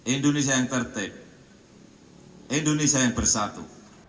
indonesia yang tertib indonesia yang bersatu